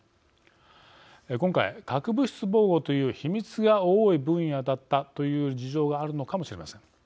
今回、核物質防護という秘密が多い分野だったという事情があるのかもしれません。